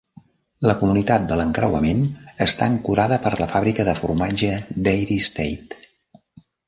La comunitat de l'encreuament està ancorada per la fàbrica de formatge Dairy State.